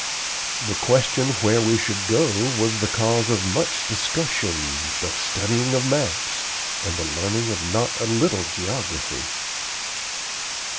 The question where we should go was the cause of much discussion, the studying of maps, and the learning of not a little geography.